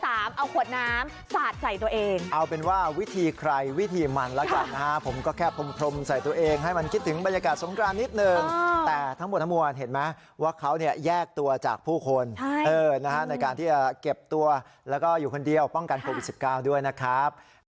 อ่าดูขอเสียงหน่อยคุณสุดสกุลนี่อ่าดูขอเสียงหน่อยคุณสุดสกุลนี่อ่าดูขอเสียงหน่อยคุณสุดสกุลนี่อ่าดูขอเสียงหน่อยคุณสุดสกุลนี่อ่าดูขอเสียงหน่อยคุณสุดสกุลนี่อ่าดูขอเสียงหน่อยคุณสุดสกุลนี่อ่าดูขอเสียงหน่อยคุณสุดสกุลนี่อ่าดูขอเสียงหน่อยคุณสุดสกุลนี่อ่าดูขอเสียงหน่